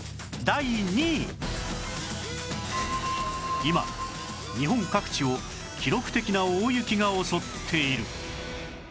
今日本各地を記録的な大雪が襲っている